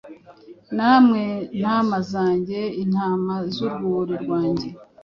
Namwe ntama zanjye, intama z’urwuri rwanjye,